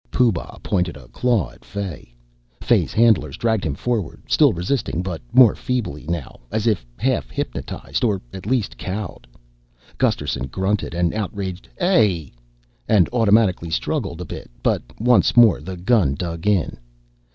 Pooh Bah pointed a claw at Fay. Fay's handlers dragged him forward, still resisting but more feebly now, as if half hypnotized or at least cowed. Gusterson grunted an outraged, "Hey!" and automatically struggled a bit, but once more the gun dug in.